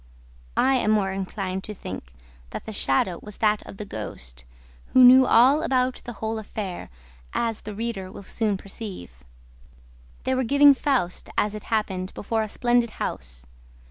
I am more inclined to think that the shadow was that of the ghost, who knew all about the whole affair, as the reader will soon perceive. They were giving FAUST, as it happened, before a splendid house.